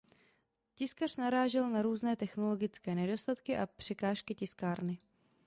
Tiskař narážel na různé technologické nedostatky a překážky tiskárny.